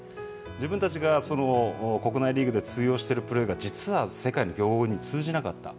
自分たちが国内リーグで通用しているプレーが実は世界の強豪国に通じなかった。